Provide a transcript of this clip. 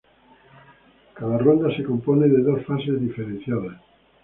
Cada ronda se compone de dos fases diferenciadas.